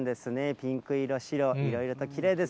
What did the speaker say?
ピンク色、白、いろいろときれいです。